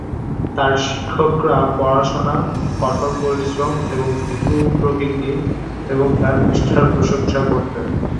তাঁর শিক্ষকরা পড়াশোনা, কঠোর পরিশ্রম এবং মৃদু প্রকৃতির এবং তাঁর নিষ্ঠার প্রশংসা করতেন।